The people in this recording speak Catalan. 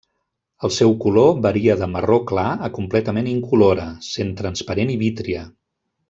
El seu color varia de marró clar a completament incolora, sent transparent i vítria.